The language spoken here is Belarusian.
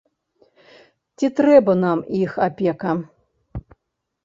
Ці трэба нам іх апека?